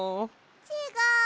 ちがう！